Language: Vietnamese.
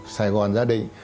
sài gòn gia đình